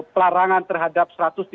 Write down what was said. pelarangan terhadap satu ratus tiga puluh tiga